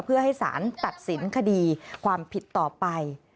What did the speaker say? เพื่อให้สารตัดสินคดีความผิดต่อไป